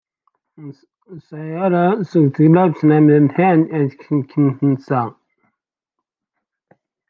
Xeddmeɣ aya yal ass.